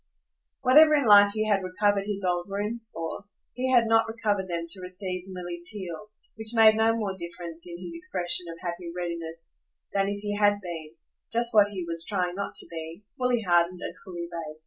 Whatever in life he had recovered his old rooms for, he had not recovered them to receive Milly Theale: which made no more difference in his expression of happy readiness than if he had been just what he was trying not to be fully hardened and fully base.